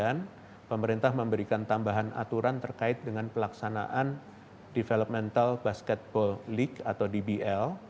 walau demikian pemerintah memberikan tambahan aturan terkait dengan pelaksanaan developmental basketball league